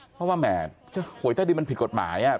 เพราะว่าแหมหวยใต้ดินมันผิดกฎหมาย